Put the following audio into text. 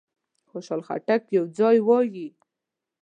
خوشحال خټک یو ځای وایي.